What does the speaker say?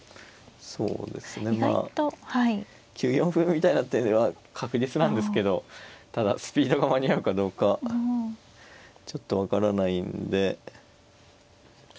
そうですねまあ９四歩みたいな手は確実なんですけどただスピードが間に合うかどうかちょっと分からないんで。